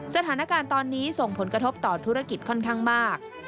สถานการณ์ตอนนี้ส่งผลกระทบต่อธุรกิจค่อนข้างมาก